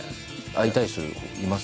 会いたい人います？